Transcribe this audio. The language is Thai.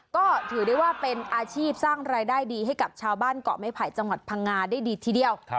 ก็ถือได้ว่าเป็นอาชีพสร้างรายได้ดีให้กับชาวบ้านเกาะไม้ไผ่จังหวัดพังงาได้ดีทีเดียว